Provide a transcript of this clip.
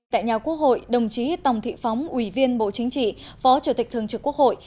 tại nhà quốc hội đồng chí tòng thị phóng ủy viên bộ chính trị phó chủ tịch thường trực quốc hội